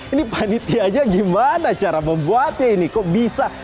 ini panitianya gimana cara membuatnya ini kok bisa